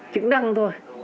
chứng năng thôi